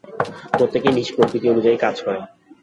প্রত্যেকেই নিজ প্রকৃতি অনুযায়ী কাজ করে।